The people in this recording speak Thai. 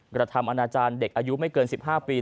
กระทำอนาจารย์เด็กอายุไม่เกิน๑๕ปี